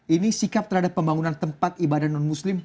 ini sikap terhadap pembangunan tempat ibadah non muslim